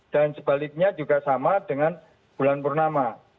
dan sebaliknya juga sama dengan bulan purnama